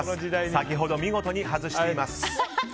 先ほどは見事に外しています。